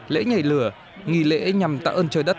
lễ nhảy lửa nghỉ lễ nhằm tạo ơn trời đất